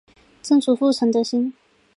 曾祖父陈德兴。